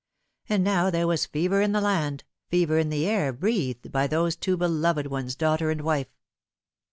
And now there was fever in the land, fever in the air breathed by those two beloved ones, daughter and wife.